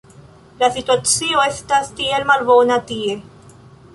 la situacio estas tiel malbona tie